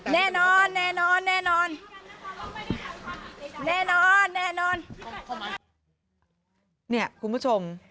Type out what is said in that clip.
เนี่ยคุณผู้ชม